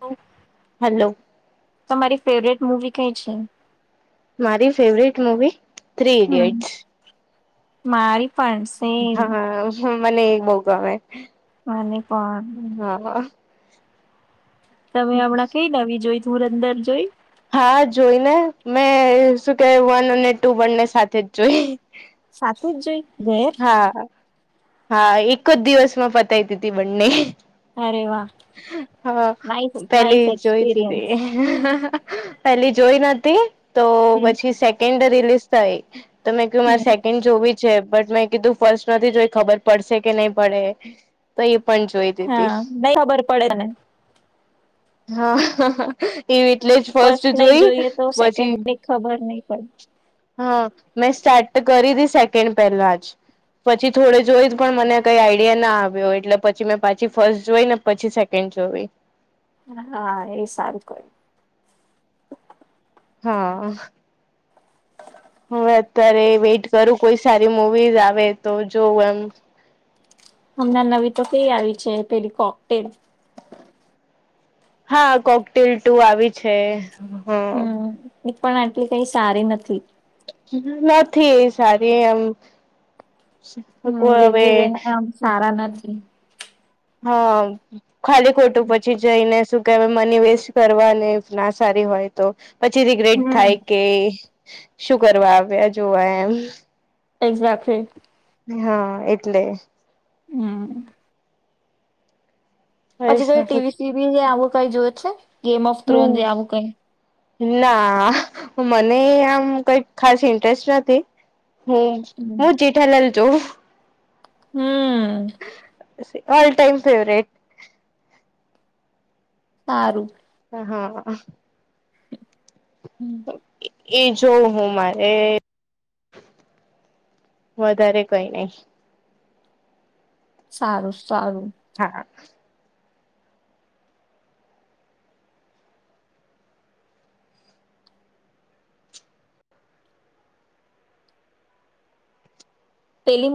લો [unintelligible] hello. તમારી favourite movie કઈ છે? મારી ફેવરેટ મુવી. થ્રી હમ ઇડિયટસ. મારી પણ સેમ. હા મને એ બહુ ગમે. મને પણ. હા હા. તમે હમણાં કઈ નવી જોઈ ધુરંધર જોઈ? હા જોઈ ને, મેં શું કેવાય વન અને ટુ બન્ને સાથે જ જોઈ. સાચું જ જોઈ ગયો હા હા એક જ દિવસમાં પતાય દીધી બન્ને. અરે વાહ હા, નાઈસ નાઈસ પેહલી જોઈ એક્સપિરિયન્સ. દીધી. પહેલી જોઈ નતી, તો હમ પછી સેકન્ડ રિલીઝ થઈ. તમે કે મારે હમ સેકન્ડ જોવી છે બટ મેં કીધું ફર્સ્ટ નથી જોઈ ખબર પડશે કે નહી પડે. તો એ પણ જોઈ દીધી. હા નઈ ખબર પડે તને હા. તો એટલે જ ફસ્ટ ફર્સ્ટ નહી જોઈ જોઈએ તો પછી સેકન્ડની ખબર નહી પડે. હા મેં સ્ટાર્ટ તો કરી દીધી સેકેન્ડ પહેલા જ. પછી થોડે જોઈ પણ મને કઈ આઈડિયા ના આવ્યો એટલે પછી મેં પાછી ફર્સ્ટ જોઈને પછી સેકેન્ડ જોવી. હા એ સારું કર્યું. હા હવે અત્યારે વેઇટ કરું કોઈ સારી મુવીઝ આવે તો જોવું એમ હમનેં નવી તો કઈ આવી છે પેલી કોકટેલ હા કોકટેલ ટુ આવી છે હમ એ પણ આટલી કઈ સારી નથી. નથી એ સારી એમ હમ કો હવે રિવ્યુઝ એના આમ સારા નથી. હા ખાલી ખોટું પછી જઈને શું હમ [unintelligible] શું કરવા આવ્યા જોવા એમ? એક્ઝેક્ટ હા એટલે હમ હછી કઈ ટીવી સિરિયલ આવું કઈ જોયું છે ગેમ ઓફ થ્રોન હમ જે આવું કઈ ના મને આમ કઈ ખાસ ઇન્ટરેસ્ટ નથી. હમ હું જેઠાલાલ જોવ. હમ ઓલ ટાઈમ ફેવરેટ સારું હ હા હમ એ જોઉ હું મારે વધારે કઈ નઈ સારું સારું હા [inaudible]